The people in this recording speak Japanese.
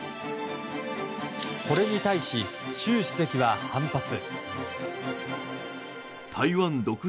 これに対し、習主席は反発。